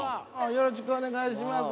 よろしくお願いします。